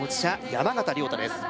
山縣亮太です